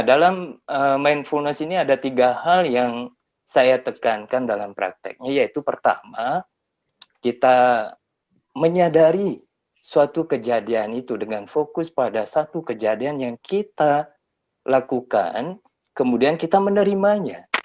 dalam mindfulness ini ada tiga hal yang saya tekankan dalam prakteknya yaitu pertama kita menyadari suatu kejadian itu dengan fokus pada satu kejadian yang kita lakukan kemudian kita menerimanya